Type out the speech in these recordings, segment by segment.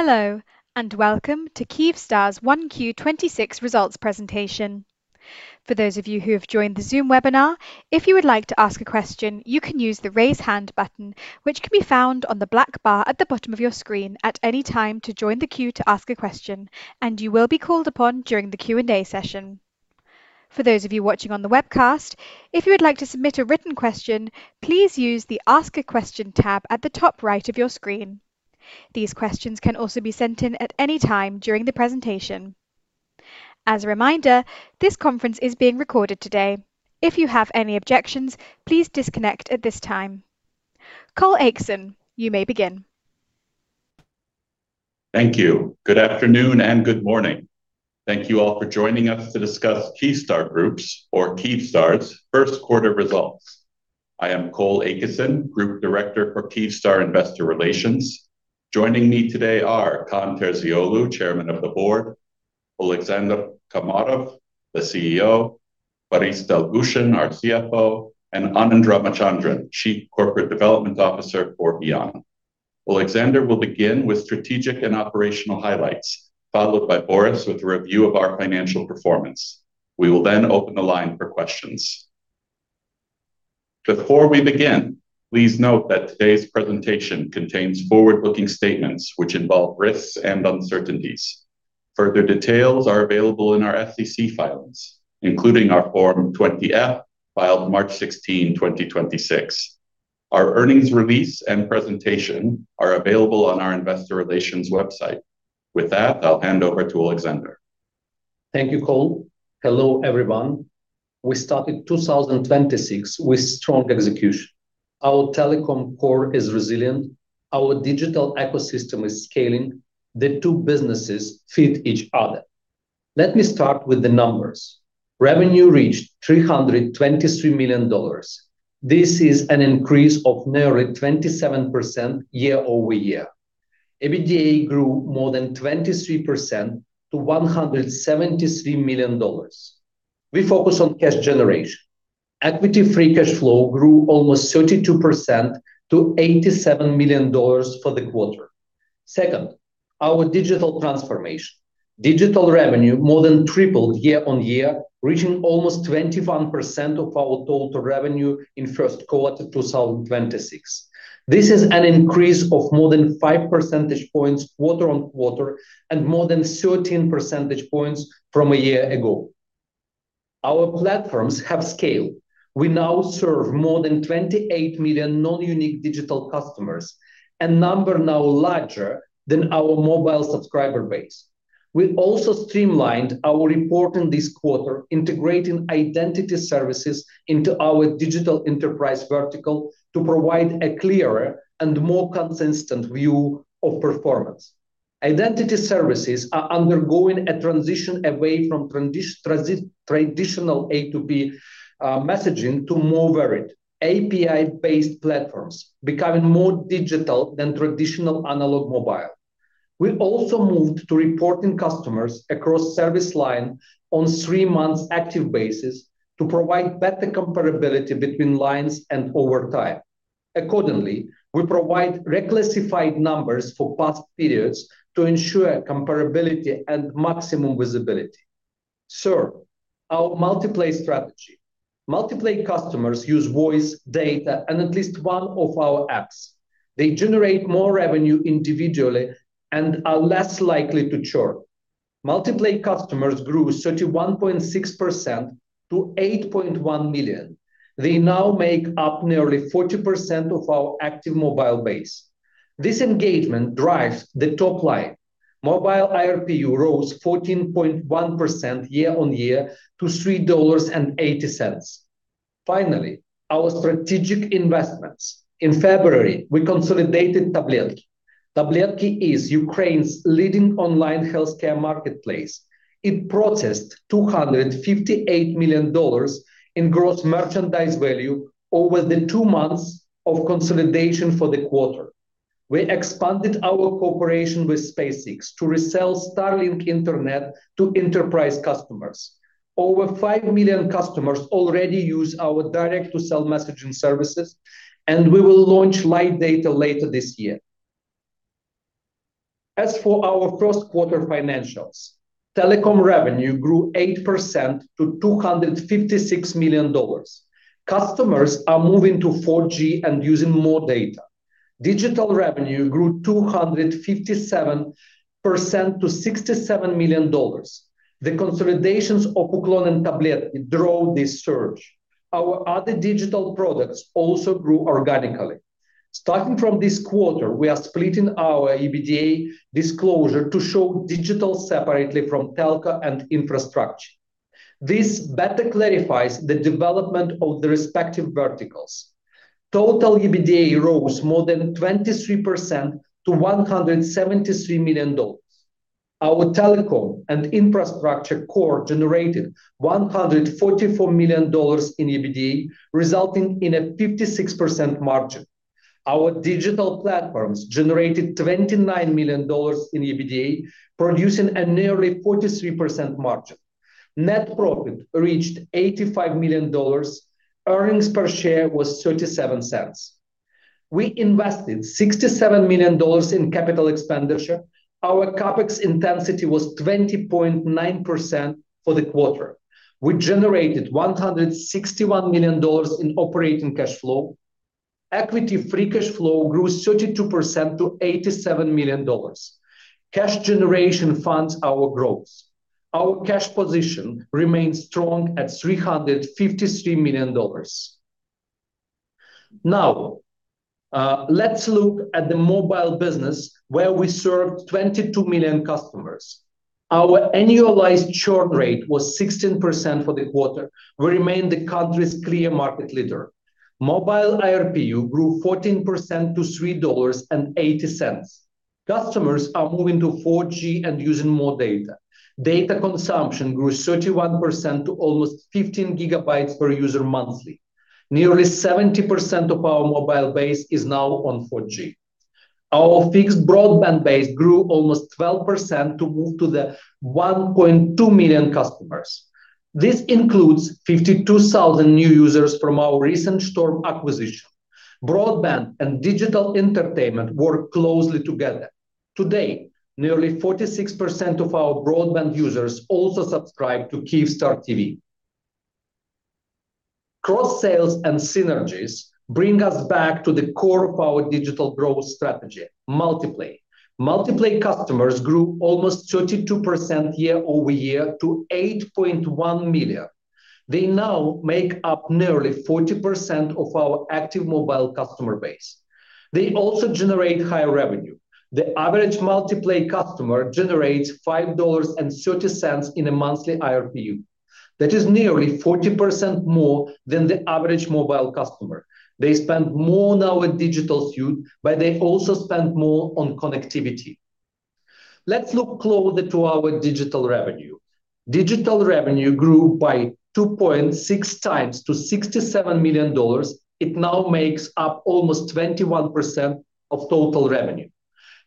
Hello. Welcome to Kyivstar's 1Q 2026 results presentation. For those of you who have joined the Zoom webinar, if you would like to ask a question, you can use the Raise Hand button, which can be found on the black bar at the bottom of your screen at any time to join the queue to ask a question, and you will be called upon during the Q&A session. For those of you watching on the webcast, if you would like to submit a written question, please use the Ask a Question tab at the top right of your screen. These questions can also be sent in at any time during the presentation. As a reminder, this conference is being recorded today. If you have any objections, please disconnect at this time. Cole Akeson, you may begin. Thank you. Good afternoon and good morning. Thank you all for joining us to discuss Kyivstar Group's or Kyivstar's first quarter results. I am Cole Akeson, Group Director for Kyivstar Investor Relations. Joining me today are Kaan Terzioğlu, Chairman of the Board, Oleksandr Komarov, the CEO, Boris Dolgushin, our CFO, and Anand Ramachandran, Chief Corporate Development Officer for VEON. Oleksandr will begin with strategic and operational highlights, followed by Boris with a review of our financial performance. We will open the line for questions. Before we begin, please note that today's presentation contains forward-looking statements which involve risks and uncertainties. Further details are available in our SEC filings, including our Form 20-F, filed March 16, 2026. Our earnings release and presentation are available on our investor relations website. With that, I'll hand over to Oleksandr. Thank you, Cole. Hello, everyone. We started 2026 with strong execution. Our telecom core is resilient. Our digital ecosystem is scaling. The two businesses fit each other. Let me start with the numbers. Revenue reached $323 million. This is an increase of nearly 27% year-over-year. EBITDA grew more than 23% to $173 million. We focus on cash generation. Equity free cash flow grew almost 32% to $87 million for the quarter. Second, our digital transformation. Digital revenue more than tripled year-on-year, reaching almost 21% of our total revenue in first quarter 2026. This is an increase of more than 5 percentage points quarter-on-quarter and more than 13 percentage points from a year ago. Our platforms have scale. We now serve more than 28 million non-unique digital customers, a number now larger than our mobile subscriber base. We also streamlined our report in this quarter, integrating identity services into our digital enterprise vertical to provide a clearer and more consistent view of performance. Identity services are undergoing a transition away from traditional A2P messaging to more varied API-based platforms, becoming more digital than traditional analog mobile. We also moved to reporting customers across service line on three months active basis to provide better comparability between lines and over time. Accordingly, we provide reclassified numbers for past periods to ensure comparability and maximum visibility. Third, our Multiplay strategy. Multiplay customers use voice, data, and at least one of our apps. They generate more revenue individually and are less likely to churn. Multiplay customers grew 31.6% to 8.1 million. They now make up nearly 40% of our active mobile base. This engagement drives the top line. Mobile ARPU rose 14.1% year-on-year to UAH 3.80. Our strategic investments. In February, we consolidated Tabletki.ua. Tabletki.ua is Ukraine's leading online healthcare marketplace. It processed $258 million in gross merchandise value over the two months of consolidation for the quarter. We expanded our cooperation with SpaceX to resell Starlink internet to enterprise customers. Over 5 million customers already use our direct-to-cell messaging services, and we will launch light data later this year. Our first quarter financials, telecom revenue grew 8% to $256 million. Customers are moving to 4G and using more data. Digital revenue grew 257% to $67 million. The consolidations of Uklon and Tabletki.ua drove this surge. Our other digital products also grew organically. Starting from this quarter, we are splitting our EBITDA disclosure to show digital separately from telco and infrastructure. This better clarifies the development of the respective verticals. Total EBITDA rose more than 23% to $173 million. Our telecom and infrastructure core generated $144 million in EBITDA, resulting in a 56% margin. Our digital platforms generated $29 million in EBITDA, producing a nearly 43% margin. Net profit reached $85 million. Earnings per share was $0.37. We invested $67 million in capital expenditure. Our CapEx intensity was 20.9% for the quarter. We generated $161 million in operating cash flow. Equity free cash flow grew 32% to $87 million. Cash generation funds our growth. Our cash position remains strong at $353 million. Now, let's look at the mobile business where we served 22 million customers. Our annualized churn rate was 16% for the quarter. We remain the country's clear market leader. Mobile ARPU grew 14% to $3.80. Customers are moving to 4G and using more data. Data consumption grew 31% to almost 15 GB per user monthly. Nearly 70% of our mobile base is now on 4G. Our fixed broadband base grew almost 12% to move to the 1.2 million customers. This includes 52,000 new users from our recent Shtorm acquisition. Broadband and digital entertainment work closely together. Today, nearly 46% of our broadband users also subscribe to Kyivstar TV. Cross sales and synergies bring us back to the core of our digital growth strategy, Multiplay. Multiplay customers grew almost 32% year-over-year to 8.1 million. They now make up nearly 40% of our active mobile customer base. They also generate higher revenue. The average Multiplay customer generates $5.30 in a monthly ARPU. That is nearly 40% more than the average mobile customer. They spend more now with digital suite, but they also spend more on connectivity. Let's look closer to our digital revenue. Digital revenue grew by 2.6x to $67 million. It now makes up almost 21% of total revenue.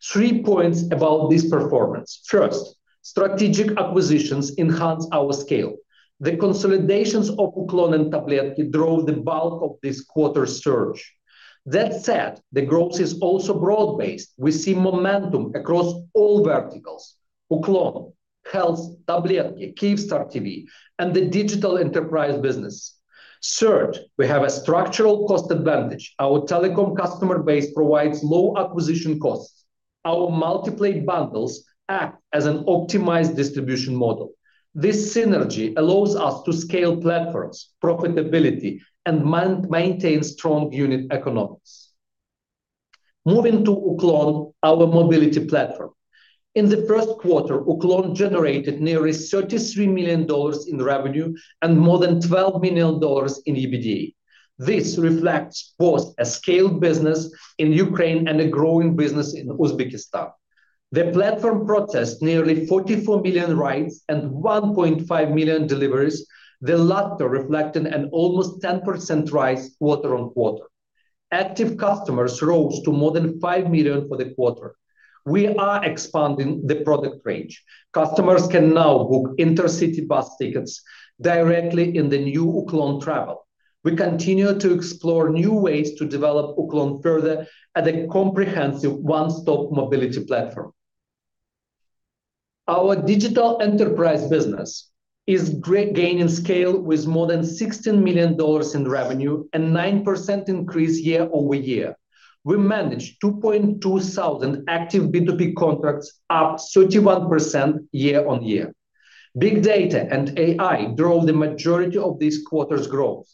Three points about this performance. First, strategic acquisitions enhance our scale. The consolidations of Uklon and Tabletki.ua Drove the bulk of this quarter's surge. That said, the growth is also broad-based. We see momentum across all verticals. Uklon, Helsi, Tabletki.ua, Kyivstar TV, and the digital enterprise business. Third, we have a structural cost advantage. Our telecom customer base provides low acquisition costs. Our Multiplay bundles act as an optimized distribution model. This synergy allows us to scale platforms, profitability, and maintain strong unit economics. Moving to Uklon, our mobility platform. In the first quarter, Uklon generated nearly $33 million in revenue and more than $12 million in EBITDA. This reflects both a scaled business in Ukraine and a growing business in Uzbekistan. The platform processed nearly 44 million rides and 1.5 million deliveries, the latter reflecting an almost 10% rise quarter-on-quarter. Active customers rose to more than 5 million for the quarter. We are expanding the product range. Customers can now book inter-city bus tickets directly in the new Uklon Travel. We continue to explore new ways to develop Uklon further at a comprehensive one-stop mobility platform. Our digital enterprise business is gaining scale with more than $16 million in revenue and 9% increase year-over-year. We manage 2,200 active B2B contracts, up 31% year-on-year. Big data and AI drove the majority of this quarter's growth.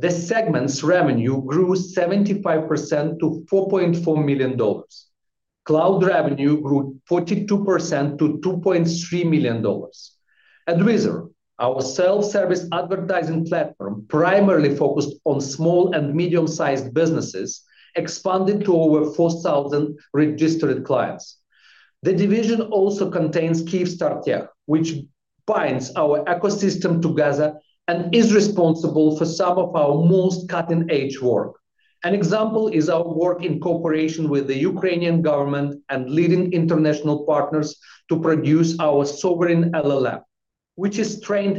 The segment's revenue grew 75% to $4.4 million. Cloud revenue grew 42% to $2.3 million. ADWISOR, our self-service advertising platform primarily focused on small and medium-sized businesses, expanded to over 4,000 registered clients. The division also contains Kyivstar.Tech, which binds our ecosystem together and is responsible for one of our most cutting-edge work. An example is our work in cooperation with the Ukrainian government and leading international partners to produce our sovereign LLM, which is trained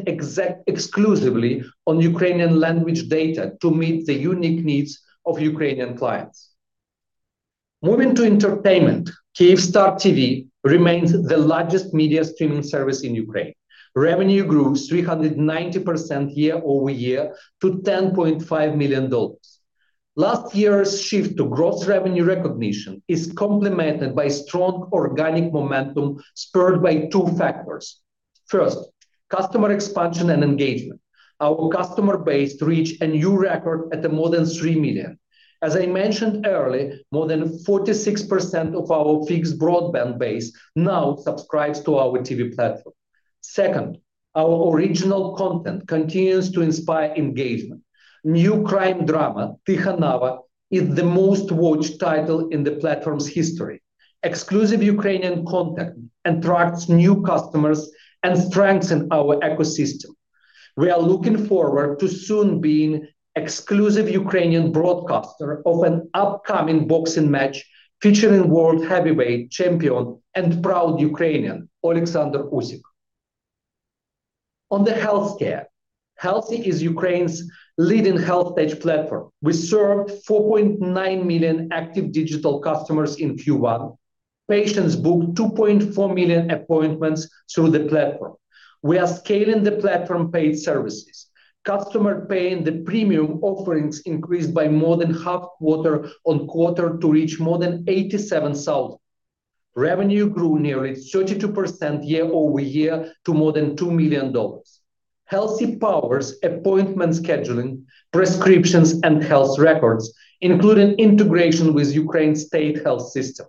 exclusively on Ukrainian language data to meet the unique needs of Ukrainian clients. Moving to entertainment, Kyivstar TV remains the largest media streaming service in Ukraine. Revenue grew 390% year-over-year to $10.5 million. Last year's shift to gross revenue recognition is complemented by strong organic momentum spurred by two factors. First, customer expansion and engagement. Our customer base reached a new record at the more than 3 million As I mentioned earlier, more than 46% of our fixed broadband base now subscribes to our TV platform. Second, our original content continues to inspire engagement. New crime drama, Tykha Nava, is the most-watched title in the platform's history. Exclusive Ukrainian content attracts new customers and strengthen our ecosystem. We are looking forward to soon being exclusive Ukrainian broadcaster of an upcoming boxing match featuring world heavyweight champion and proud Ukrainian, Oleksandr Usyk. On the healthcare, Helsi is Ukraine's leading health tech platform. We served 4.9 million active digital customers in Q1. Patients booked 2.4 million appointments through the platform. We are scaling the platform paid services. Customer paying the premium offerings increased by more than half quarter-on-quarter to reach more than 87,000. Revenue grew nearly 32% year-over-year to more than $2 million. Helsi powers appointment scheduling, prescriptions, and health records, including integration with Ukraine state health system.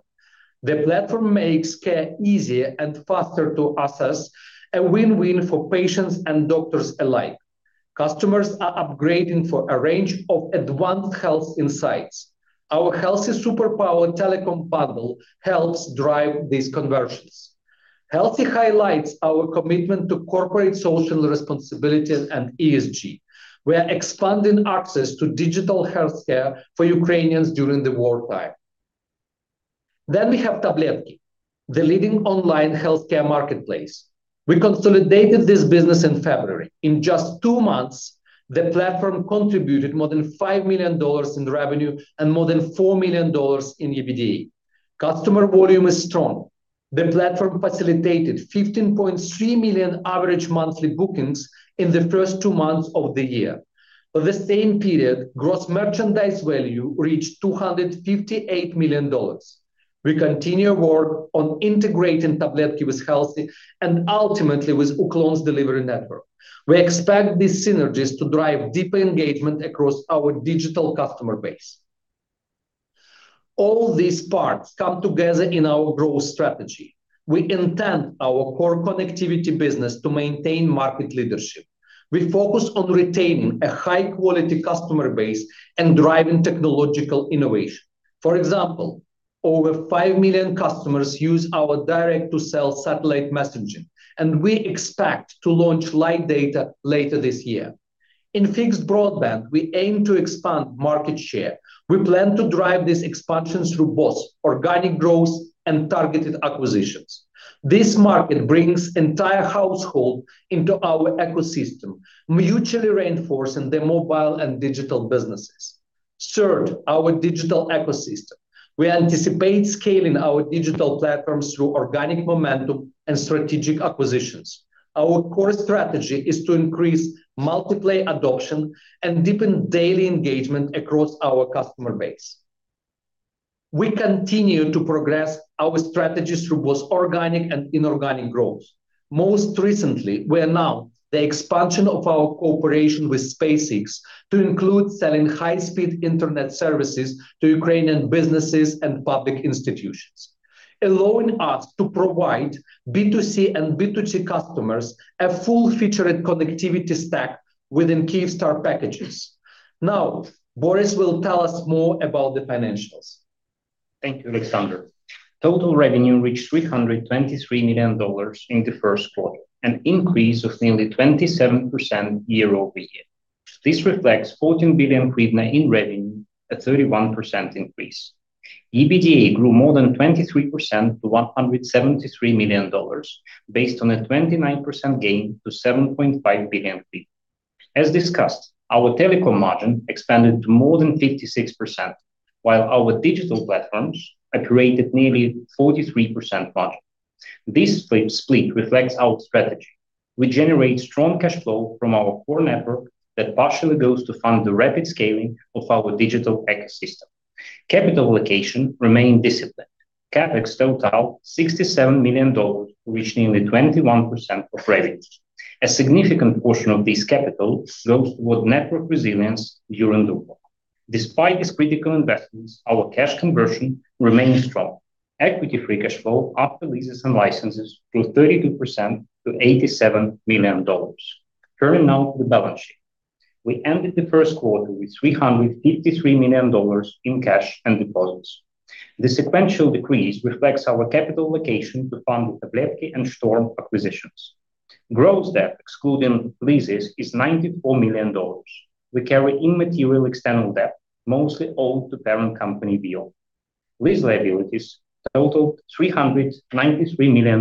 The platform makes care easier and faster to access, a win-win for patients and doctors alike. Customers are upgrading for a range of advanced health insights. Our Helsi Superpower telecom bundle helps drive these conversions. Helsi highlights our commitment to corporate social responsibility and ESG. We are expanding access to digital healthcare for Ukrainians during the wartime. We have Tabletki.ua, the leading online healthcare marketplace. We consolidated this business in February. In just two months, the platform contributed more than $5 million in revenue and more than $4 million in EBITDA. Customer volume is strong. The platform facilitated 15.3 million average monthly bookings in the first two months of the year. For the same period, gross merchandise value reached $258 million. We continue work on integrating Tabletki.ua with Helsi, and ultimately with Uklon's delivery network. We expect these synergies to drive deeper engagement across our digital customer base. All these parts come together in our growth strategy. We intend our core connectivity business to maintain market leadership. We focus on retaining a high quality customer base and driving technological innovation. For example, over 5 million customers use our direct-to-cell satellite messaging, and we expect to launch light data later this year. In fixed broadband, we aim to expand market share. We plan to drive this expansion through both organic growth and targeted acquisitions. This market brings entire household into our ecosystem, mutually reinforcing the mobile and digital businesses. Third, our digital ecosystem. We anticipate scaling our digital platforms through organic momentum and strategic acquisitions. Our core strategy is to increase multiplay adoption and deepen daily engagement across our customer base. We continue to progress our strategy through both organic and inorganic growth. Most recently, we announced the expansion of our cooperation with SpaceX to include selling high-speed internet services to Ukrainian businesses and public institutions, allowing us to provide B2C and B2G customers a full-featured connectivity stack within Kyivstar packages. Now, Boris will tell us more about the financials. Thank you, Oleksandr. Total revenue reached $323 million in the first quarter, an increase of nearly 27% year-over-year. This reflects UAH 14 billion in revenue, a 31% increase. EBITDA grew more than 23% to $173 million, based on a 29% gain to UAH 7.5 billion. As discussed, our telecom margin expanded to more than 56%, while our digital platforms operated nearly 43% margin. This split reflects our strategy. We generate strong cash flow from our core network that partially goes to fund the rapid scaling of our digital ecosystem. Capital allocation remained disciplined. CapEx total $67 million, reaching nearly 21% of revenue. A significant portion of this capital goes toward network resilience during the war. Despite these critical investments, our cash conversion remains strong. Equity free cash flow after leases and licenses grew 32% to $87 million. Turning now to the balance sheet. We ended the first quarter with $353 million in cash and deposits. The sequential decrease reflects our capital allocation to fund the Tabletki.ua and Shtorm acquisitions. Gross debt, excluding leases, is $94 million. We carry immaterial external debt, mostly owed to parent company VEON. Lease liabilities totaled $393 million.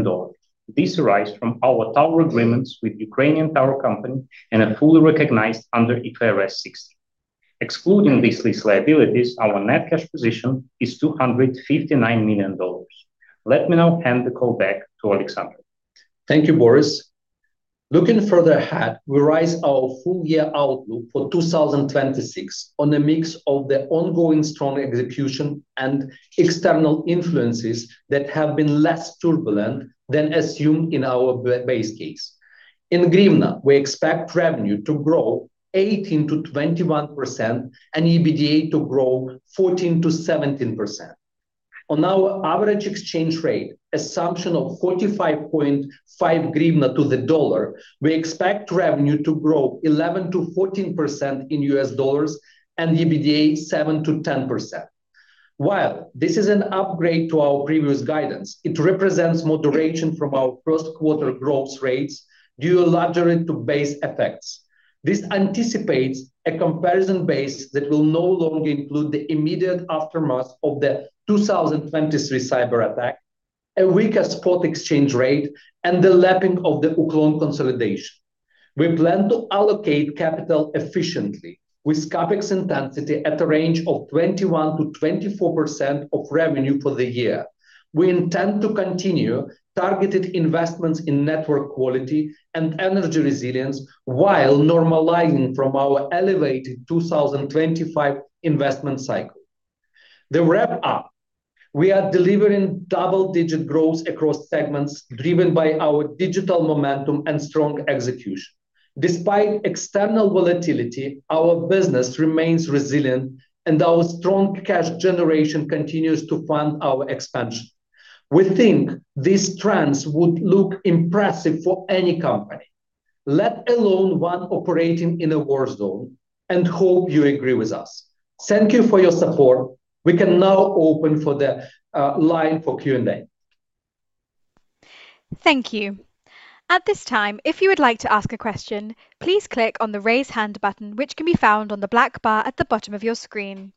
These arise from our tower agreements with Ukrainian tower company and are fully recognized under IFRS 16. Excluding these lease liabilities, our net cash position is $259 million. Let me now hand the call back to Oleksandr. Thank you, Boris. Looking further ahead, we raise our full year outlook for 2026 on a mix of the ongoing strong execution and external influences that have been less turbulent than assumed in our base case. In UAH, we expect revenue to grow 18%-21% and EBITDA to grow 14%-17%. On our average exchange rate assumption of 45.5 UAH to the U.S. dollar, we expect revenue to grow 11%-14% in U.S. dollars and EBITDA 7%-10%. While this is an upgrade to our previous guidance, it represents moderation from our first quarter growth rates due largely to base effects. This anticipates a comparison base that will no longer include the immediate aftermath of the 2023 cyberattack. A weaker spot exchange rate and the lapping of the Uklon consolidation. We plan to allocate capital efficiently with CapEx intensity at the range of 21%-24% of revenue for the year. We intend to continue targeted investments in network quality and energy resilience while normalizing from our elevated 2025 investment cycle. The wrap up, we are delivering double-digit growth across segments driven by our digital momentum and strong execution. Despite external volatility, our business remains resilient, and our strong cash generation continues to fund our expansion. We think these trends would look impressive for any company, let alone one operating in a war zone, and hope you agree with us. Thank you for your support. We can now open for the line for Q&A. Thank you. At this time, if you would like to ask a question, please click on the Raise Hand button, which can be found on the black bar at the bottom of your screen.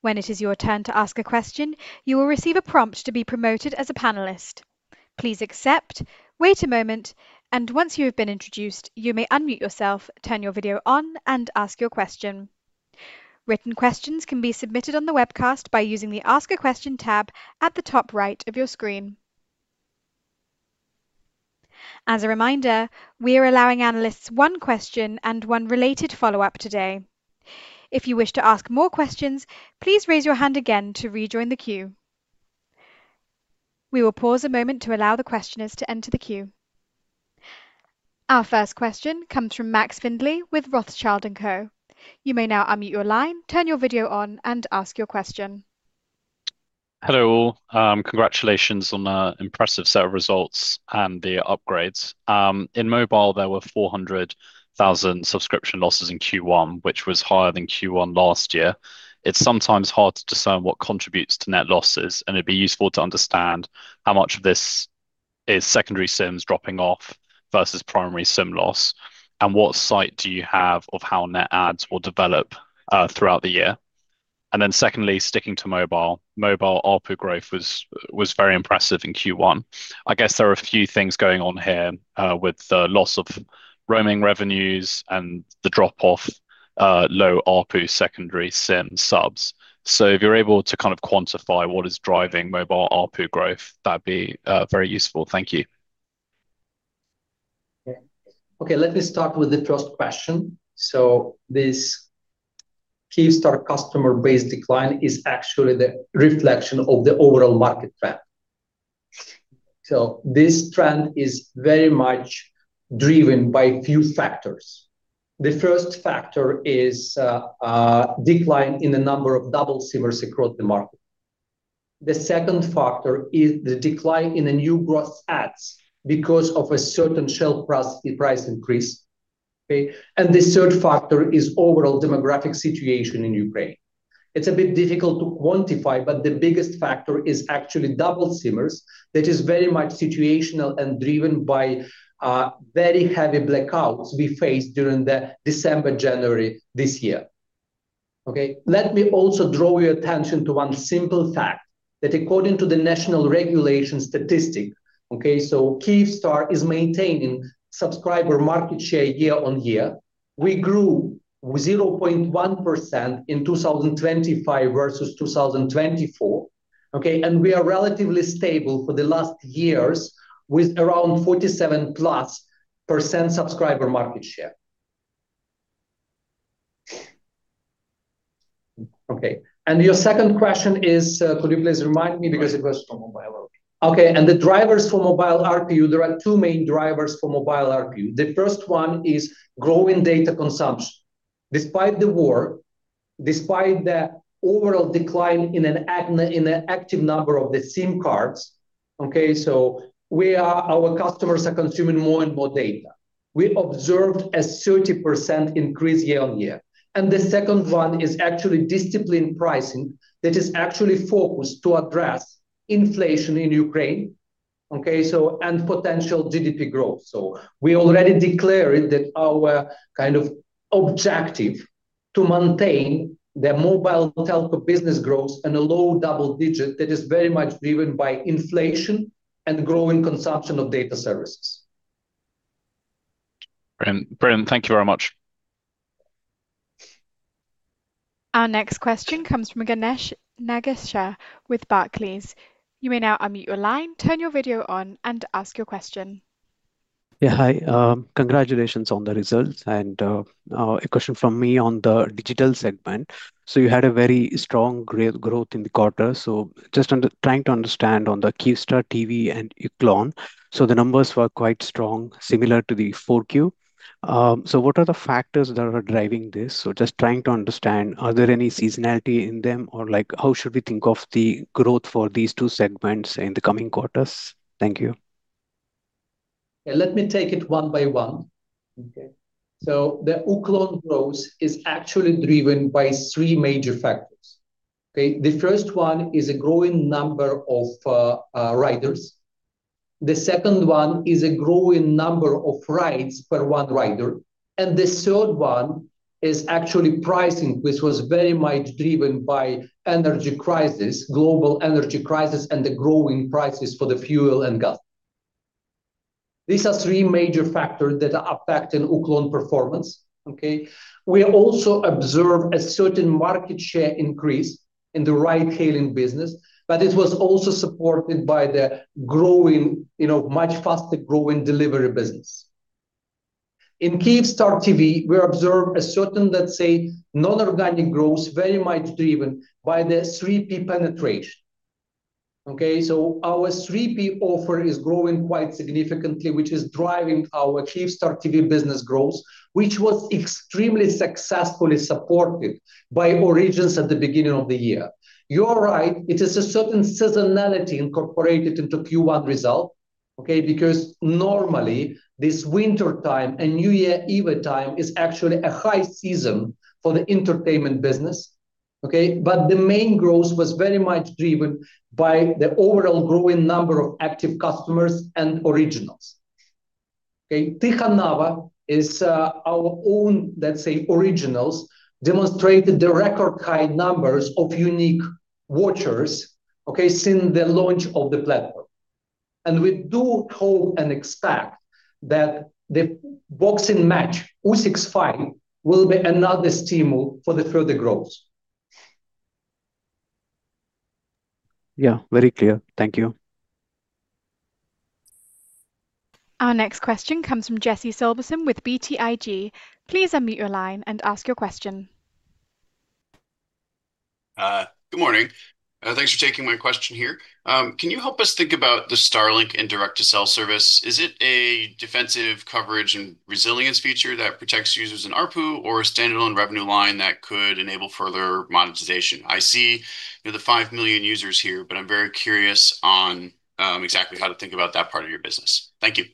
When it is your turn to ask a question, you will receive a prompt to be promoted as a panelist. Please accept, wait a moment, and once you have been introduced, you may unmute yourself, turn your video on, and ask your question. Written questions can be submitted on the webcast by using the Ask a Question tab at the top right of your screen. As a reminder, we are allowing analysts one question and one related follow-up today. If you wish to ask more questions, please raise your hand again to rejoin the queue. We will pause a moment to allow the questioners to enter the queue. Our first question comes from Max Findlay with Rothschild & Co. You may now unmute your line, turn your video on, and ask your question. Hello all. Congratulations on an impressive set of results and the upgrades. In mobile, there were 400,000 subscription losses in Q1, which was higher than Q1 last year. It's sometimes hard to discern what contributes to net losses, and it'd be useful to understand how much of this is secondary SIMs dropping off versus primary SIM loss, and what sight do you have of how net adds will develop throughout the year. Secondly, sticking to mobile ARPU growth was very impressive in Q1. I guess there are few things going on here. With the loss of roaming revenues and the drop-off, low ARPU secondary SIM subs. If you're able to quantify what is driving mobile ARPU growth, that'd be very useful. Thank you. Let me start with the first question. This Kyivstar customer base decline is actually the reflection of the overall market trend. This trend is very much driven by a few factors. The first factor is decline in the number of double SIM-ers across the market. The second factor is the decline in the new gross adds because of a certain cell price increase. The third factor is overall demographic situation in Ukraine. It's a bit difficult to quantify, but the biggest factor is actually double SIM-ers that is very much situational and driven by very heavy blackouts we faced during the December, January this year. Let me also draw your attention to one simple fact, that according to the national regulation statistic, Kyivstar is maintaining subscriber market share year-on-year. We grew 0.1% in 2025 versus 2024. Okay. We are relatively stable for the last years with around 47%+ subscriber market share. Okay. Your second question is, could you please remind me. The drivers for mobile ARPU. Okay. The drivers for mobile ARPU, there are two main drivers for mobile ARPU. The first one is growing data consumption. Despite the war, despite the overall decline in an active number of the SIM cards, our customers are consuming more and more data. We observed a 30% increase year-on-year. The second one is actually disciplined pricing that is actually focused to address inflation in Ukraine, and potential GDP growth. We already declared that our kind of objective to maintain the mobile telco business growth and a low double digit that is very much driven by inflation and growing consumption of data services. Brilliant. Brilliant. Thank you very much. Our next question comes from Ganesh Nagesha with Barclays. You may now unmute your line, turn your video on, and ask your question. Hi. Congratulations on the results. A question from me on the digital segment. You had a very strong growth in the quarter. Just trying to understand on the Kyivstar TV and Uklon. The numbers were quite strong, similar to the 4Q. What are the factors that are driving this? Just trying to understand, are there any seasonality in them, or like how should we think of the growth for these two segments in the coming quarters? Thank you. Let me take it one by one. Okay. The Uklon growth is actually driven by three major factors. Okay. The first one is a growing number of riders. The second one is a growing number of rides per one rider. The third one is actually pricing, which was very much driven by energy crisis, global energy crisis, and the growing prices for the fuel and gas. These are three major factor that are affecting Uklon's performance, okay? We also observe a certain market share increase in the ride-hailing business, but it was also supported by the growing, you know, much faster growing delivery business. In Kyivstar TV, we observe a certain, let's say, non-organic growth very much driven by the 3P penetration, okay? Our 3P offer is growing quite significantly, which is driving our Kyivstar TV business growth, which was extremely successfully supported by originals at the beginning of the year. You're right, it is a certain seasonality incorporated into Q1 result, okay? Normally this wintertime and New Year's Eve time is actually a high season for the entertainment business, okay? The main growth was very much driven by the overall growing number of active customers and originals, okay? Tykha Nava is our own, let's say, originals, demonstrated the record high numbers of unique watchers, okay, since the launch of the platform. We do hope and expect that the boxing match, Usyk fight, will be another stimulus for the further growth. Yeah, very clear. Thank you. Our next question comes from Jesse Sobelson with BTIG. Please unmute your line and ask your question. Good morning. Thanks for taking my question here. Can you help us think about the Starlink and direct-to-cell service? Is it a defensive coverage and resilience feature that protects users in ARPU or a standalone revenue line that could enable further monetization? I see, you know, the 5 million users here, but I'm very curious on exactly how to think about that part of your business. Thank you.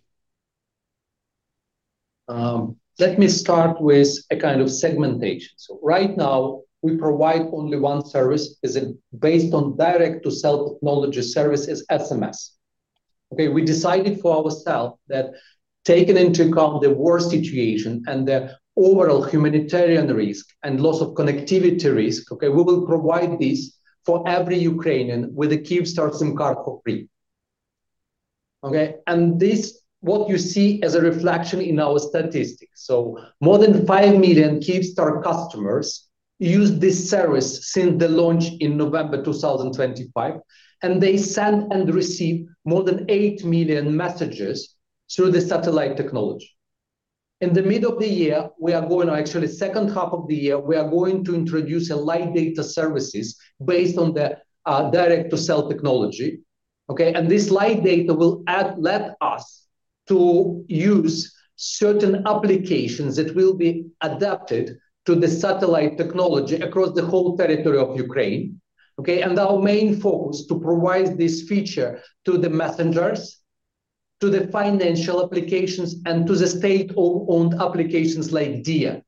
Let me start with a kind of segmentation. Right now we provide only one service. Is it based on direct-to-cell technology service is SMS. We decided for ourself that taking into account the war situation and the overall humanitarian risk and loss of connectivity risk, we will provide this for every Ukrainian with a Kyivstar SIM card for free. This, what you see as a reflection in our statistics. More than 5 million Kyivstar customers use this service since the launch in November 2025 and they send and receive more than 8 million messages through the satellite technology. Actually, second half of the year, we are going to introduce a light data services based on the direct-to-cell technology. This light data will let us to use certain applications that will be adapted to the satellite technology across the whole territory of Ukraine, okay? Our main focus to provide this feature to the messengers, to the financial applications, and to the state-owned applications like Diia.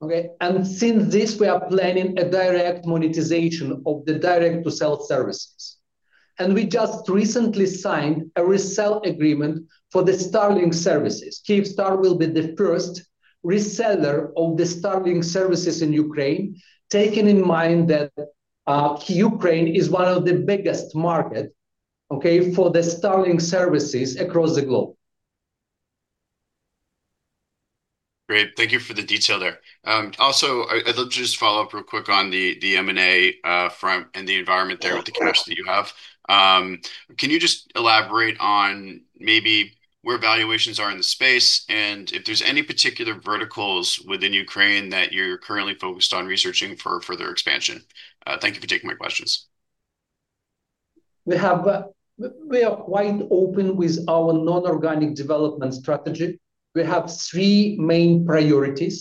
Okay, since this we are planning a direct monetization of the direct-to-cell services. We just recently signed a resell agreement for the Starlink services. Kyivstar will be the first reseller of the Starlink services in Ukraine, taking in mind that Ukraine is one of the biggest market, okay, for the Starlink services across the globe. Great. Thank you for the detail there. Also I'd love to just follow up real quick on the M&A front and the environment there. Of course. With the cash that you have. Can you just elaborate on maybe where valuations are in the space, and if there's any particular verticals within Ukraine that you're currently focused on researching for further expansion? Thank you for taking my questions. We are quite open with our non-organic development strategy. We have three main priorities,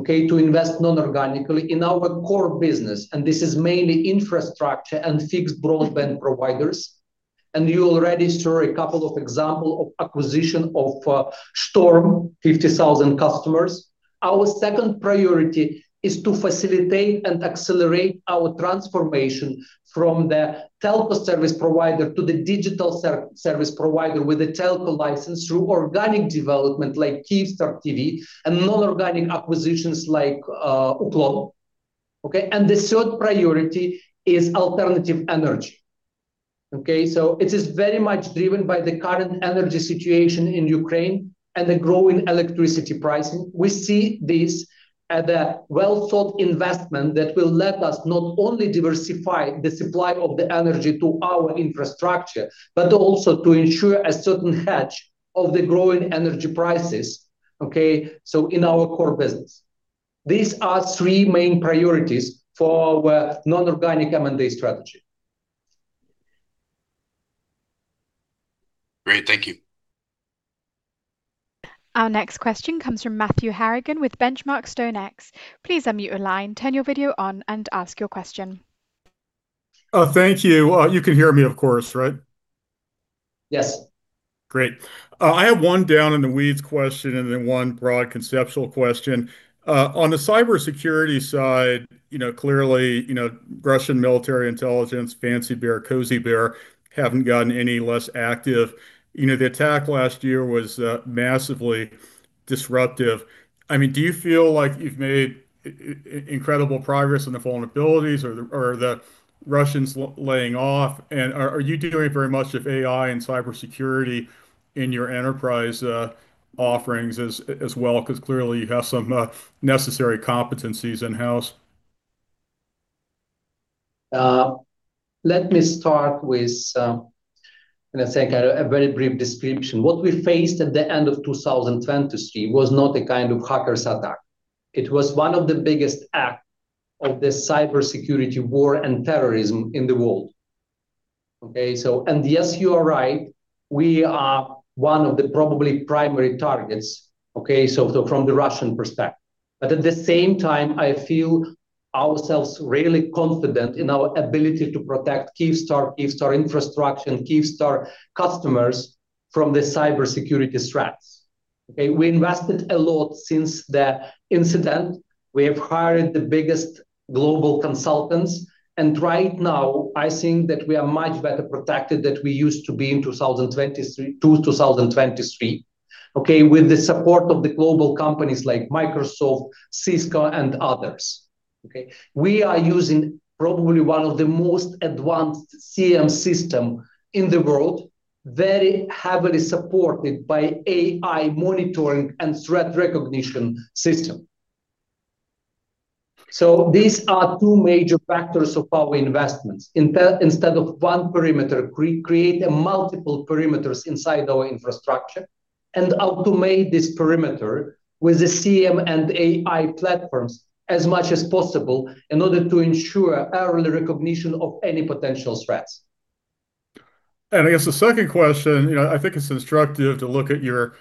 okay, to invest non-organically in our core business, and this is mainly infrastructure and fixed broadband providers. You already saw a couple of example of acquisition of Shtorm, 50,000 customers. Our second priority is to facilitate and accelerate our transformation from the telco service provider to the digital service provider with a telco license through organic development like Kyivstar TV and non-organic acquisitions like Uklon. The third priority is alternative energy. It is very much driven by the current energy situation in Ukraine and the growing electricity pricing. We see this as a well-thought investment that will let us not only diversify the supply of the energy to our infrastructure, but also to ensure a certain hedge of the growing energy prices, okay, so in our core business. These are three main priorities for our non-organic M&A strategy. Great. Thank you. Our next question comes from Matthew Harrigan with Benchmark StoneX. Please unmute your line, turn your video on, and ask your question. Oh, thank you. You can hear me, of course, right? Yes. Great. I have one down in the weeds question and then one broad conceptual question. On the cybersecurity side, you know, clearly, you know, Russian military intelligence, Fancy Bear, Cozy Bear, haven't gotten any less active. You know, the attack last year was massively disruptive. I mean, do you feel like you've made incredible progress on the vulnerabilities or are the Russians laying off? Are you doing very much with AI and cybersecurity in your enterprise offerings as well? 'Cause clearly you have some necessary competencies in-house. Let me start with a very brief description. What we faced at the end of 2023 was not a kind of hackers attack. It was one of the biggest act of the cybersecurity war and terrorism in the world. Yes, you are right, we are one of the probably primary targets. From the Russian perspective. At the same time, I feel ourselves really confident in our ability to protect Kyivstar infrastructure and Kyivstar customers from the cybersecurity threats. We invested a lot since the incident. We have hired the biggest global consultants, and right now I think that we are much better protected than we used to be in 2023. With the support of the global companies like Microsoft, Cisco, and others. We are using probably one of the most advanced SIEM system in the world, very heavily supported by AI monitoring and threat recognition system. These are two major factors of our investments. Instead of one perimeter, create a multiple perimeters inside our infrastructure and automate this perimeter with the SIEM and AI platforms as much as possible in order to ensure early recognition of any potential threats. I guess the second question, you know, I think it's instructive to look at your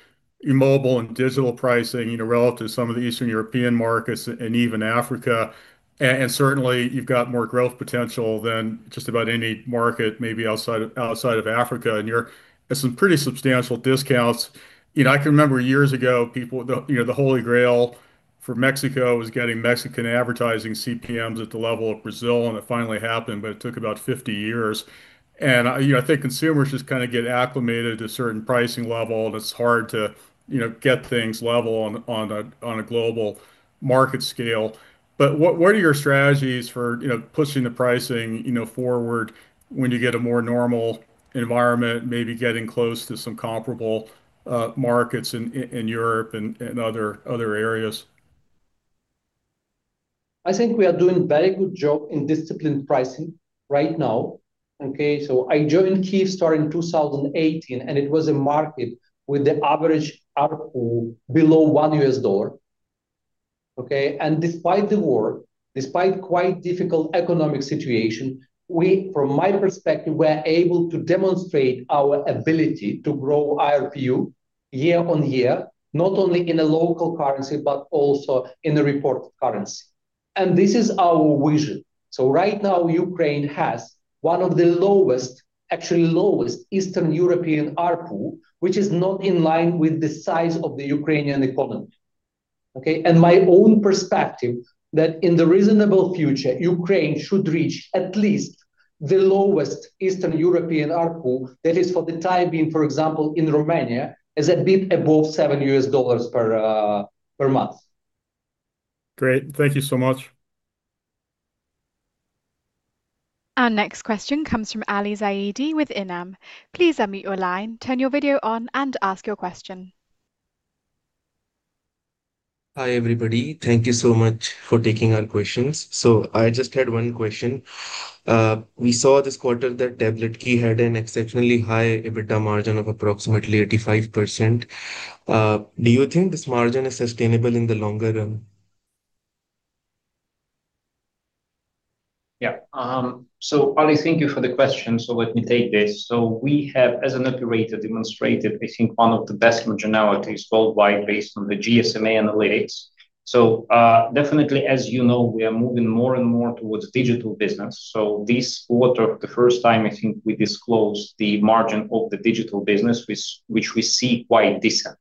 mobile and digital pricing, you know, relative to some of the Eastern European markets and even Africa. Certainly you've got more growth potential than just about any market, maybe outside of Africa. You're at some pretty substantial discounts. You know, I can remember years ago, people, you know, the holy grail for Mexico was getting Mexican advertising CPMs at the level of Brazil, and it finally happened, but it took about 50 years. I think consumers just kind of get acclimated to a certain pricing level, and it's hard to, you know, get things level on a, on a global market scale. What are your strategies for, you know, pushing the pricing, you know, forward when you get a more normal environment, maybe getting close to some comparable markets in Europe and other areas? I think we are doing very good job in disciplined pricing right now. I joined Kyivstar in 2018, and it was a market with the average ARPU below $1. Despite the war, despite quite difficult economic situation, we, from my perspective, we're able to demonstrate our ability to grow ARPU year-over-year, not only in a local currency, but also in the reported currency. This is our vision. Right now, Ukraine has one of the lowest, actually lowest Eastern European ARPU, which is not in line with the size of the Ukrainian economy. My own perspective that in the reasonable future, Ukraine should reach at least the lowest Eastern European ARPU. That is, for the time being, for example, in Romania, is a bit above $7 per month. Great. Thank you so much. Our next question comes from Ali Zaidi with Inam. Please unmute your line, turn your video on, and ask your question. Hi, everybody. Thank you so much for taking our questions. I just had one question. We saw this quarter that Tabletki.ua had an exceptionally high EBITDA margin of approximately 85%. Do you think this margin is sustainable in the longer run? Yeah. Ali, thank you for the question. Let me take this. We have, as an operator, demonstrated, I think, one of the best marginalities worldwide based on the GSMA analytics. Definitely, as you know, we are moving more and more towards digital business. This quarter, the first time I think we disclosed the margin of the digital business, which we see quite decent.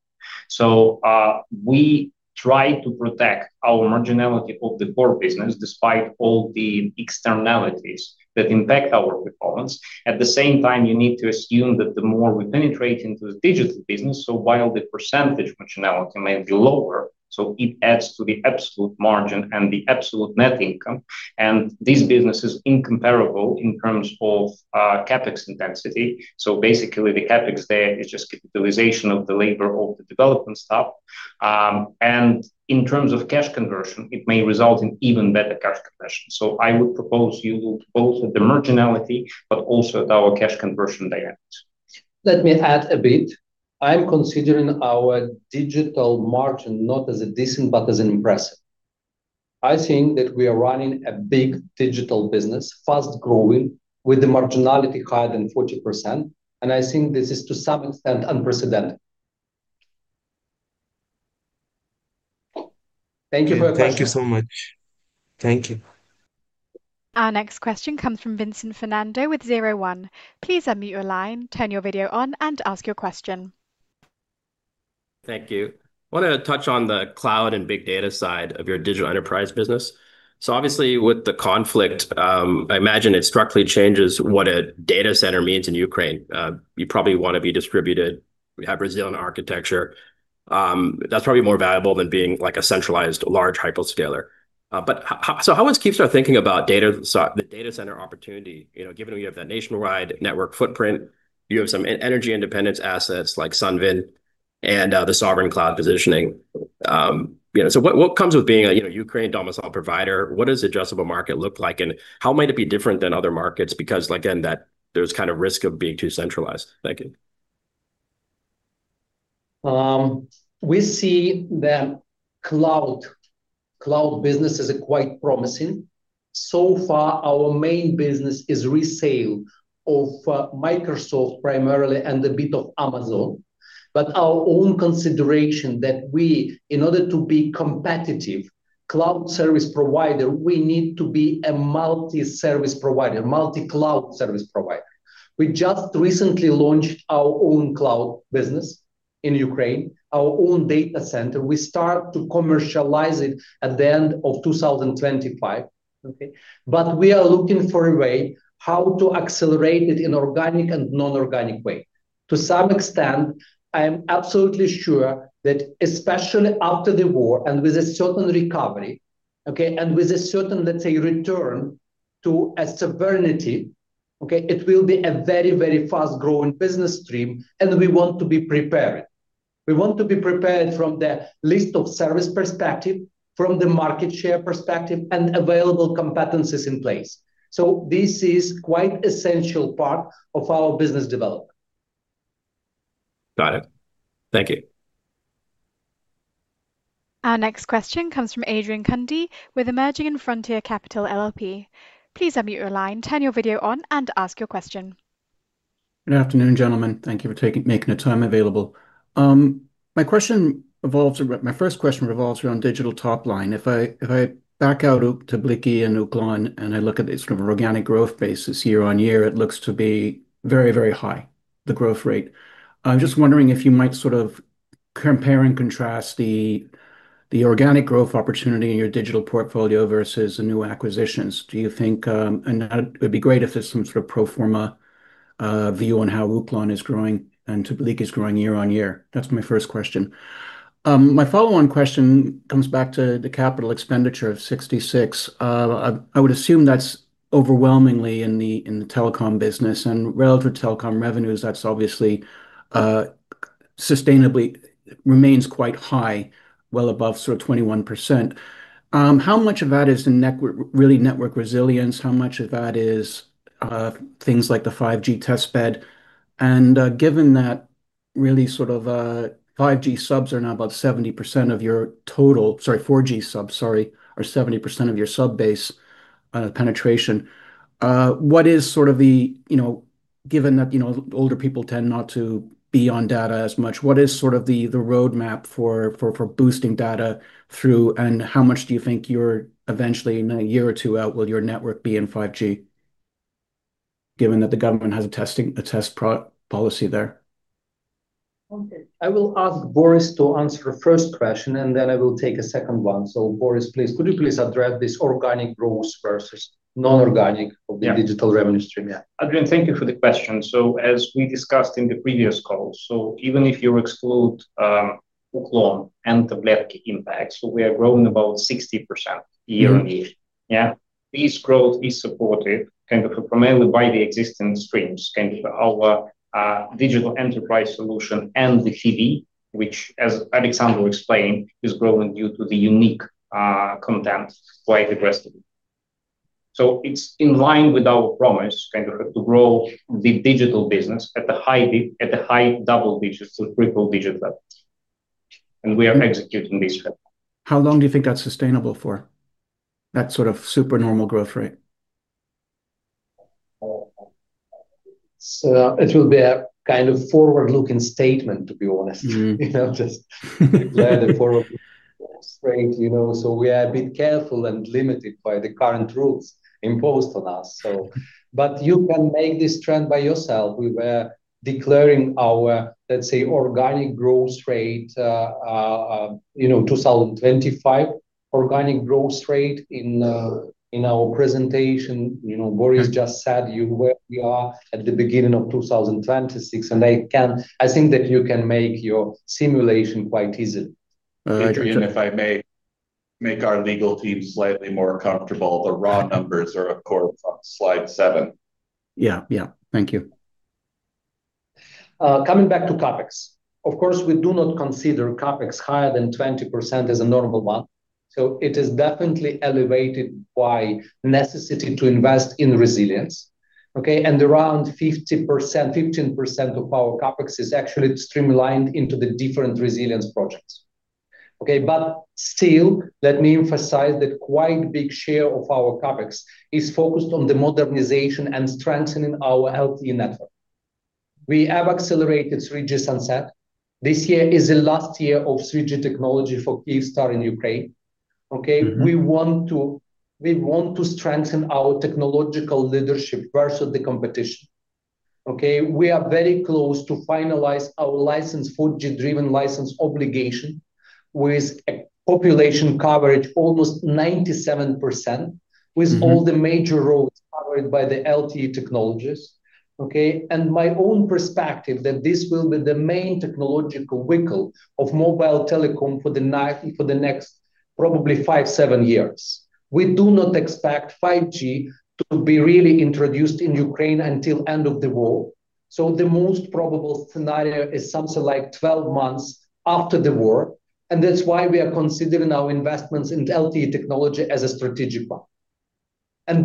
We try to protect our marginality of the core business despite all the externalities that impact our performance. At the same time, you need to assume that the more we penetrate into the digital business, so while the percentage marginality may be lower, so it adds to the absolute margin and the absolute net income. This business is incomparable in terms of CapEx intensity. Basically the CapEx there is just capitalization of the labor of the development staff. In terms of cash conversion, it may result in even better cash conversion. I would propose you look both at the marginality, but also at our cash conversion dynamics. Let me add a bit. I'm considering our digital margin not as a decent, but as an impressive. I think that we are running a big digital business, fast-growing, with the marginality higher than 40%, and I think this is to some extent unprecedented. Thank you for your question. Thank you so much. Thank you. Our next question comes from Vincent Fernando with Zero One. Please unmute your line, turn your video on and ask your question. Thank you. I want to touch on the cloud and big data side of your digital enterprise business. Obviously with the conflict, I imagine it structurally changes what a data center means in Ukraine. You probably want to be distributed. We have resilient architecture. That's probably more valuable than being like a centralized large hyperscaler. How is Kyivstar thinking about the data center opportunity? You know, given you have that nationwide network footprint, you have some energy independence assets like SUNVIN 11 and the sovereign cloud positioning. You know, what comes with being a, you know, Ukraine domicile provider? What does addressable market look like, and how might it be different than other markets because like, again, that there's kind of risk of being too centralized? Thank you. We see the cloud business as quite promising. So far our main business is resale of Microsoft primarily and a bit of Amazon. Our own consideration that we, in order to be competitive cloud service provider, we need to be a multi-service provider, multi-cloud service provider. We just recently launched our own cloud business in Ukraine, our own data center. We start to commercialize it at the end of 2025. We are looking for a way how to accelerate it in organic and non-organic way. To some extent, I am absolutely sure that especially after the war and with a certain recovery, and with a certain return to a sovereignty, it will be a very, very fast-growing business stream, and we want to be prepared. We want to be prepared from the list of service perspective, from the market share perspective and available competencies in place. This is quite essential part of our business development. Got it. Thank you. Our next question comes from Adrian Cundy with Emerging & Frontier Capital LLP. Please unmute your line, turn your video on and ask your question. Good afternoon, gentlemen. Thank you for making the time available. My first question revolves around digital top line. If I back out to Tabletki.ua and Uklon, and I look at the sort of organic growth basis year-over-year, it looks to be very, very high, the growth rate. I'm just wondering if you might sort of compare and contrast the organic growth opportunity in your digital portfolio versus the new acquisitions. Do you think that it'd be great if there's some sort of pro forma view on how Uklon is growing and Tabletki.ua is growing year-over-year. That's my first question. My follow-on question comes back to the capital expenditure of UAH 66. I would assume that's overwhelmingly in the telecom business and relative telecom revenues, that's obviously sustainably remains quite high, well above sort of 21%. How much of that is really network resilience? How much of that is things like the 5G test bed? Given that really sort of 4G subs are now about 70% of your total sub base penetration. What is sort of the, you know, given that, you know, older people tend not to be on data as much, what is sort of the roadmap for boosting data through, and how much do you think you're eventually in one year or two out will your network be in 5G given that the government has a test policy there? Okay. I will ask Boris to answer first question, and then I will take a second one. Boris, please, could you please address this organic growth versus non-organic. Yeah. Of the digital revenue stream? Yeah. Adrian, thank you for the question. As we discussed in the previous calls, even if you exclude Uklon and Tabletki.ua impacts, we are growing about 60% year-over-year. This growth is supported kind of primarily by the existing streams, kind of our digital enterprise solution and the TV, which as Oleksandr explained, is growing due to the unique content quite aggressively. It's in line with our promise kind of to grow the digital business at the high double digits to triple digit levels. We are executing this trend. How long do you think that's sustainable for, that sort of super normal growth rate? It will be a kind of forward-looking statement, to be honest. You know, declare the forward growth rate, you know, we are a bit careful and limited by the current rules imposed on us, so. You can make this trend by yourself. We were declaring our, let's say, organic growth rate, you know, 2025 organic growth rate in our presentation. You know, Boris just said where we are at the beginning of 2026, I think that you can make your simulation quite easily. Uh- Adrian, if I may make our legal team slightly more comfortable, the raw numbers are of course on slide 7. Yeah. Yeah. Thank you. Coming back to CapEx. Of course, we do not consider CapEx higher than 20% as a normal one, so it is definitely elevated by necessity to invest in resilience, okay. Around 15% of our CapEx is actually streamlined into the different resilience projects, okay. Still, let me emphasize that quite big share of our CapEx is focused on the modernization and strengthening our healthy network. We have accelerated 3G sunset. This year is the last year of 3G technology for Kyivstar in Ukraine. Okay. We want to strengthen our technological leadership versus the competition. Okay? We are very close to finalize our license, 4G-driven license obligation with a population coverage almost 97%. Hmm. With all the major roads covered by the LTE technologies. Okay? My own perspective that this will be the main technological vehicle of mobile telecom for the next probably five, seven years. We do not expect 5G to be really introduced in Ukraine until end of the war. The most probable scenario is something like 12 months after the war, that's why we are considering our investments in LTE technology as a strategic one.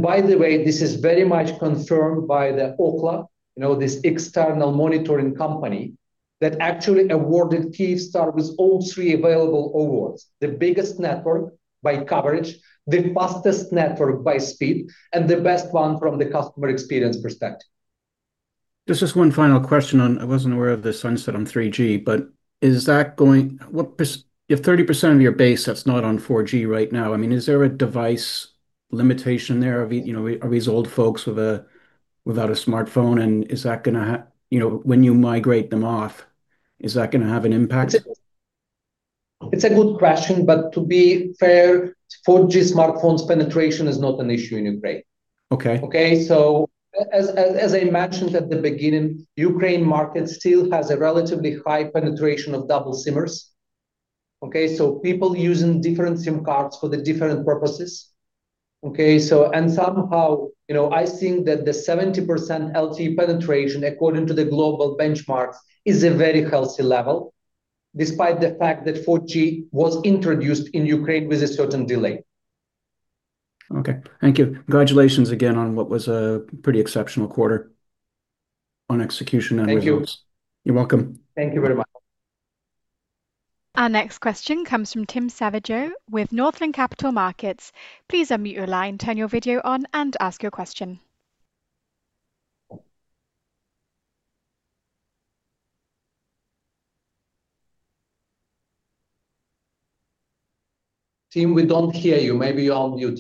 By the way, this is very much confirmed by the Ookla, you know, this external monitoring company, that actually awarded Kyivstar with all three available awards. The biggest network by coverage, the fastest network by speed, the best one from the customer experience perspective. Just one final question on I wasn't aware of the sunset on 3G, but is that going? You have 30% of your base that's not on 4G right now. I mean, is there a device limitation there? Are, you know, are these old folks with a, without a smartphone, and You know, when you migrate them off, is that gonna have an impact? It's a good question. To be fair, 4G smartphones penetration is not an issue in Ukraine. Okay. Okay. As I mentioned at the beginning, Ukraine market still has a relatively high penetration of double SIM-ers. Okay. People using different SIM cards for the different purposes. Okay. And somehow, you know, I think that the 70% LTE penetration according to the global benchmarks is a very healthy level, despite the fact that 4G was introduced in Ukraine with a certain delay. Okay. Thank you. Congratulations again on what was a pretty exceptional quarter on execution and results. Thank you. You're welcome. Thank you very much. Our next question comes from Tim Savageaux with Northland Capital Markets. Please unmute your line, turn your video on, and ask your question. Tim, we don't hear you. Maybe you're on mute.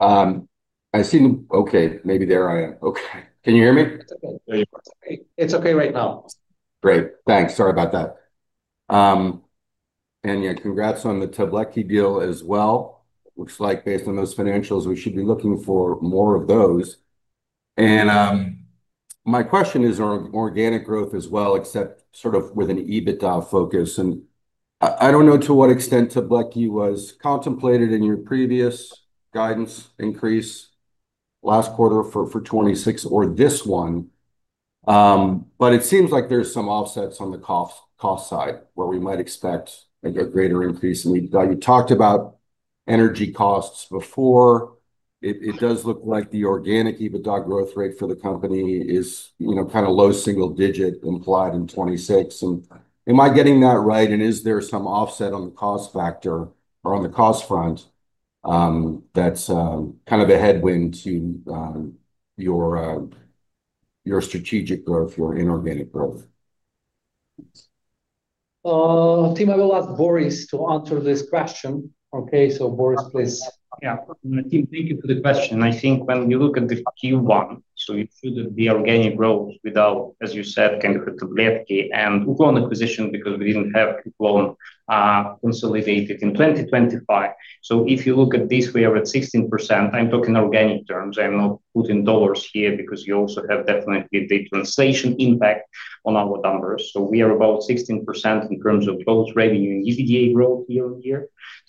I seem Okay. Maybe there I am. Okay. Can you hear me? It's okay. Great. It's okay right now. Great. Thanks. Sorry about that. Yeah, congrats on the Tabletki.ua deal as well. Looks like based on those financials, we should be looking for more of those. My question is on organic growth as well, except sort of with an EBITDA focus. I don't know to what extent Tabletki.ua was contemplated in your previous guidance increase last quarter for 2026 or this one. It seems like there's some offsets on the cost side where we might expect, like, a greater increase. I mean, you talked about energy costs before. It does look like the organic EBITDA growth rate for the company is, you know, kind of low single digit implied in 2026. Am I getting that right, and is there some offset on the cost factor or on the cost front, that's kind of a headwind to your strategic growth, your inorganic growth? Tim, I will ask Boris to answer this question. Okay? Boris, please. Yeah. Tim, thank you for the question. I think when we look at the Q1, it should be organic growth without, as you said, kind of Tabletki.ua and Uklon acquisition because we didn't have Uklon consolidated in 2025. If you look at this, we are at 16%. I'm talking organic terms. I'm not putting dollars here because you also have definitely a translation impact on our numbers. We are about 16% in terms of both revenue and EBITDA growth year-on-year.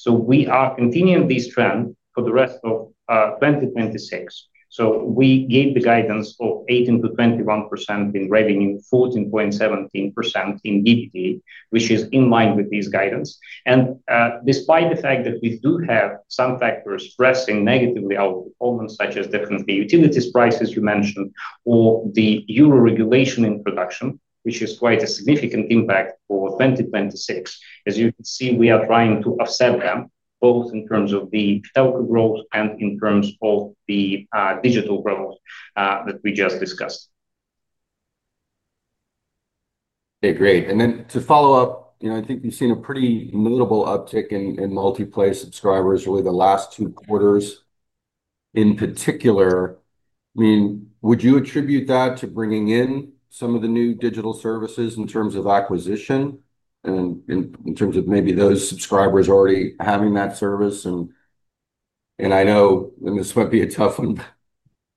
We are continuing this trend for the rest of 2026. We gave the guidance of 18%-21% in revenue, 14%-17% in EBITDA, which is in line with this guidance. Despite the fact that we do have some factors pressing negatively our performance such as definitely utilities prices you mentioned or the EU regulation introduction, which is quite a significant impact for 2026. We are trying to offset them both in terms of the telco growth and in terms of the digital growth that we just discussed. Okay. Great. Then to follow up, you know, I think we've seen a pretty notable uptick in Multiplay subscribers really the last two quarters in particular. I mean, would you attribute that to bringing in some of the new digital services in terms of acquisition and in terms of maybe those subscribers already having that service? I know, and this might be a tough one,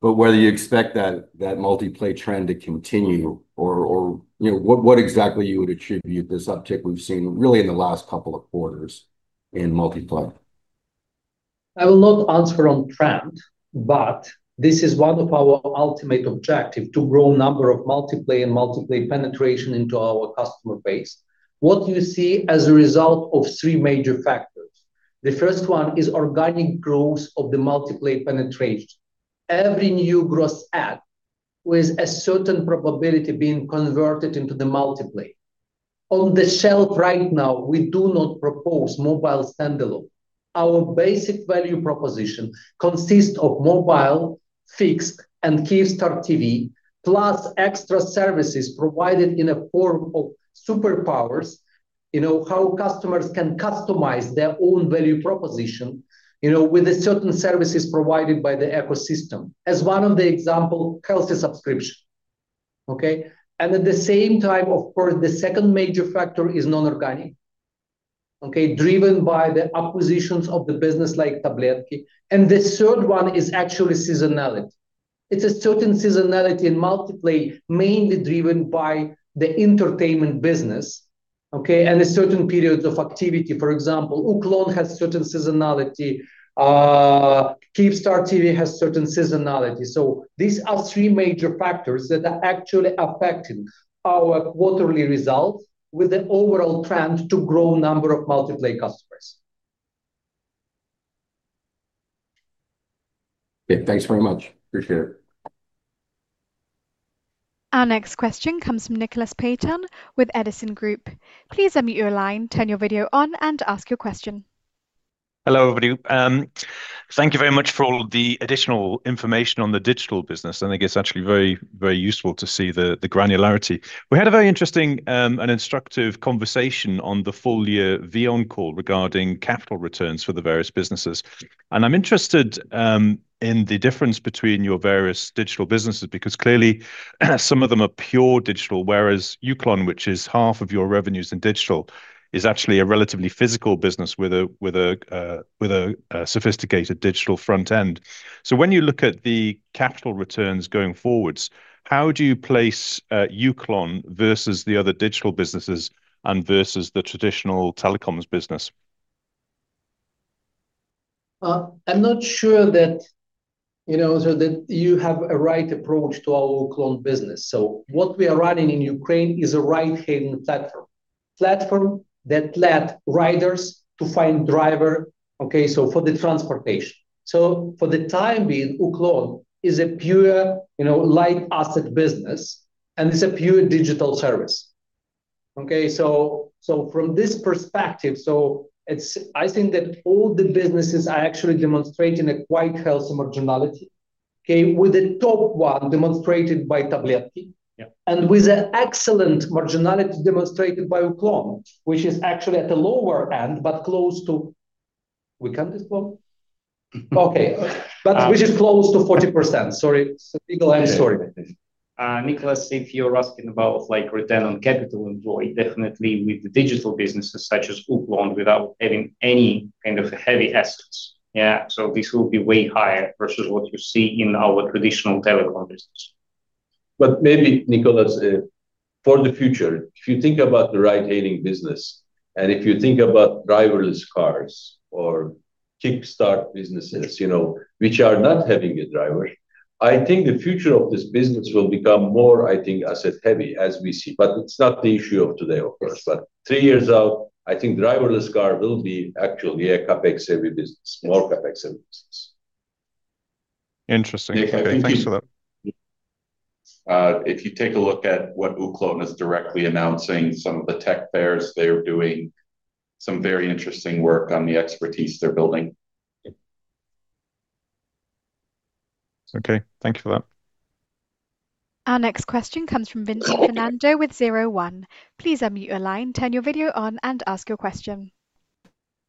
but whether you expect that Multiplay trend to continue or, you know, what exactly you would attribute this uptick we've seen really in the last couple of quarters in Multiplay? I will not answer on trend, but this is one of our ultimate objective, to grow number of Multiplay and Multiplay penetration into our customer base. What you see as a result of three major factors. The first one is organic growth of the Multiplay penetration. Every new gross add with a certain probability being converted into the Multiplay. On the shelf right now, we do not propose mobile standalone. Our basic value proposition consists of mobile, fixed, and Kyivstar TV, plus extra services provided in a form of Superpowers. You know, how customers can customize their own value proposition, you know, with the certain services provided by the ecosystem. As one of the example, Helsi subscription. Okay. The second major factor is non-organic, okay. Driven by the acquisitions of the business like Tabletki.ua. The third one is actually seasonality. It's a certain seasonality in Multiplay mainly driven by the entertainment business. The certain periods of activity. For example, Uklon has certain seasonality. Kyivstar TV has certain seasonality. These are three major factors that are actually affecting our quarterly results with the overall trend to grow number of Multiplay customers. Okay, thanks very much. Appreciate it. Our next question comes from Nicholas Paton with Edison Group. Please unmute your line, turn your video on, and ask your question. Hello, everybody. Thank you very much for all of the additional information on the digital business. I think it's actually very, very useful to see the granularity. We had a very interesting and instructive conversation on the full year VEON conference call regarding capital returns for the various businesses. I'm interested in the difference between your various digital businesses because clearly some of them are pure digital, whereas Uklon, which is 50% of your revenues in digital, is actually a relatively physical business with a sophisticated digital front end. When you look at the capital returns going forwards, how do you place Uklon versus the other digital businesses and versus the traditional telecoms business? I'm not sure that, you know, so that you have a right approach to our Uklon business. What we are running in Ukraine is a ride-hailing platform. Platform that let riders to find driver, okay, for the transportation. For the time being, Uklon is a pure, you know, light asset business, and it's a pure digital service. From this perspective, I think that all the businesses are actually demonstrating a quite healthy marginality, okay, with the top one demonstrated by Tabletki.ua. Yeah. With a excellent marginality demonstrated by Uklon, which is actually at the lower end, but close to, we can't expose? Okay. Um- Which is close to 40%. Sorry. Ihor, I'm sorry. Nicholas, if you're asking about, like, return on capital employed, definitely with the digital businesses such as Uklon without adding any kind of heavy assets. Yeah, this will be way higher versus what you see in our traditional telecom business. Maybe, Nicholas, for the future, if you think about the ride-hailing business, if you think about driverless cars or Kyivstar businesses, you know, which are not having a driver, I think the future of this business will become more, I think, asset heavy as we see. It's not the issue of today, of course. Three years out, I think driverless car will be actually a CapEx heavy business, more CapEx heavy business. Interesting. Okay, thanks for that. If you take a look at what Uklon is directly announcing, some of the tech fairs they're doing, some very interesting work on the expertise they're building. Okay, thank you for that. Our next question comes from Vincent Fernando with Zero One. Please unmute your line, turn your video on, and ask your question.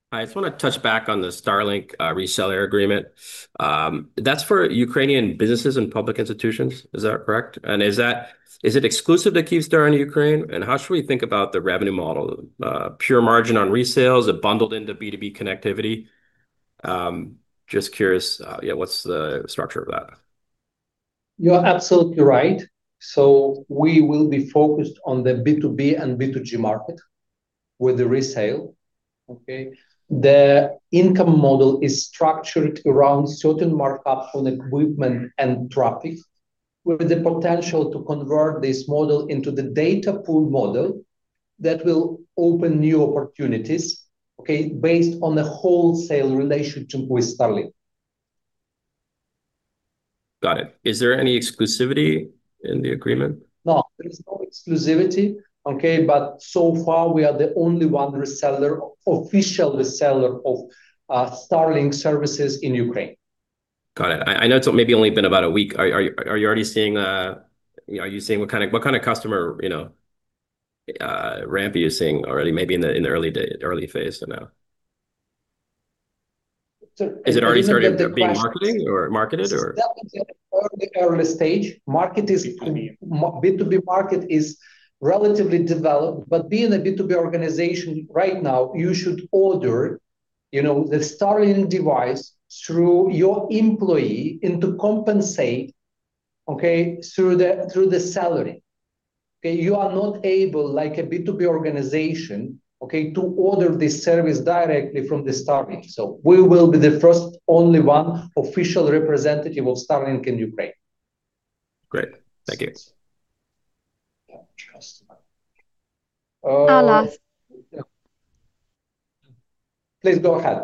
I just wanna touch back on the Starlink reseller agreement. That's for Ukrainian businesses and public institutions, is that correct? Is it exclusive to Kyivstar in Ukraine? How should we think about the revenue model? Pure margin on resales or bundled into B2B connectivity? Just curious, yeah, what's the structure of that? You're absolutely right. We will be focused on the B2B and B2G market with the resale. Okay? The income model is structured around certain markups on equipment and traffic, with the potential to convert this model into the data pool model that will open new opportunities, okay, based on the wholesale relationship with Starlink. Got it. Is there any exclusivity in the agreement? No, there is no exclusivity, okay? So far, we are the only one reseller, official reseller of Starlink services in Ukraine. Got it. I know it's maybe only been about a week. Are you already seeing, you know, are you seeing what kind of customer, you know, ramp you're seeing already maybe in the early phase? I know. It doesn't get the question. Is it already started being marketing or marketed? It's definitely at very early stage. B2B. B2B market is relatively developed. Being a B2B organization right now, you should order, you know, the Starlink device through your employee and to compensate, okay, through the salary. Okay, you are not able, like a B2B organization, okay, to order this service directly from the Starlink. We will be the first only one official representative of Starlink in Ukraine. Great. Thank you. Yes. Yeah. Trust. Our last- Please go ahead.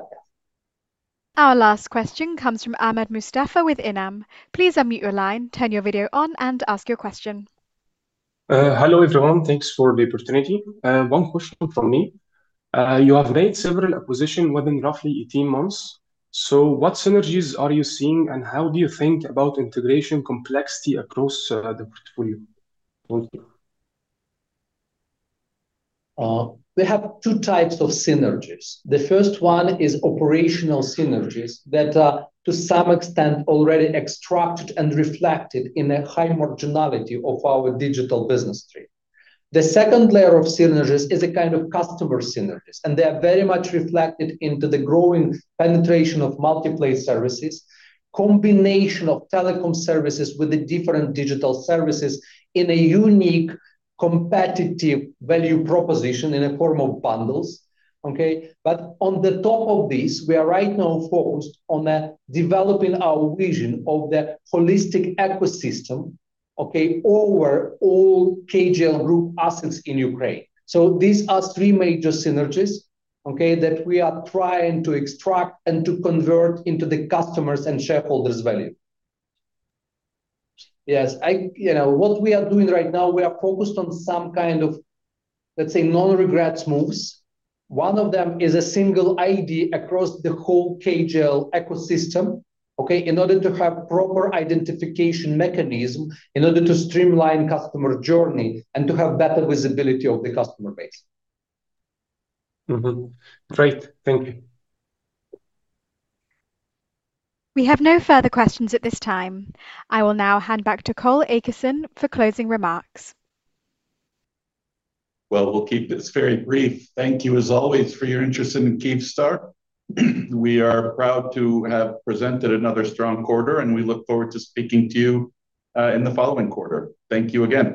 Our last question comes from Ahmed Mustafa with Inam. Please unmute your line, turn your video on, and ask your question. Hello, everyone. Thanks for the opportunity. One question from me. You have made several acquisitions within roughly 18 months. What synergies are you seeing, and how do you think about integration complexity across the portfolio? Thank you. We have two types of synergies. The first one is operational synergies that are to some extent already extracted and reflected in the high marginality of our digital business stream. The second layer of synergies is a kind of customer synergies. They are very much reflected into the growing penetration of Multiplay services, combination of telecom services with the different digital services in a unique competitive value proposition in a form of bundles. On the top of this, we are right now focused on developing our vision of the holistic ecosystem. Over all KGL Group assets in Ukraine. These are three major synergies that we are trying to extract and to convert into the customers' and shareholders' value. You know, what we are doing right now, we are focused on some kind of, let's say, no regrets moves. One of them is a single ID across the whole KGL ecosystem, okay? In order to have proper identification mechanism, in order to streamline customer journey, and to have better visibility of the customer base. Mm-hmm. Great. Thank you. We have no further questions at this time. I will now hand back to Cole Akeson for closing remarks. Well, we'll keep this very brief. Thank you as always for your interest in Kyivstar. We are proud to have presented another strong quarter, and we look forward to speaking to you in the following quarter. Thank you again.